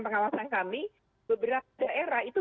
pengawasan kami beberapa daerah itu